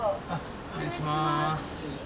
失礼します。